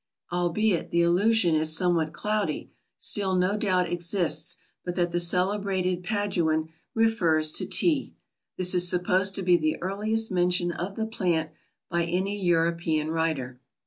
Albeit the allusion is somewhat cloudy, still no doubt exists but that the celebrated Paduan refers to Tea. This is supposed to be the earliest mention of the plant by any European writer.